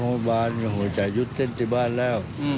รุญญาณเขาตกที่นั่น